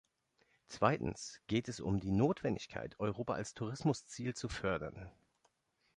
Zweitens geht es um die Notwendigkeit, Europa als Tourismusziel zu fördern.